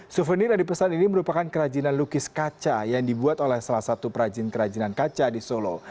souvenir yang dipesan ini merupakan kerajinan lukis kaca yang dibuat oleh salah satu perajin kerajinan kaca di solo